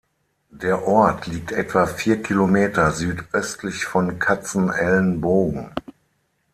Der Ort liegt etwa vier Kilometer südöstlich von Katzenelnbogen.